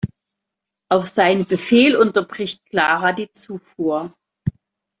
Auf seinen Befehl unterbricht Clara die Zufuhr.